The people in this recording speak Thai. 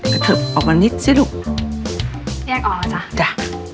กระเทิบออกมานิดสิลูกแยกออกอ่ะจ้ะจ้ะ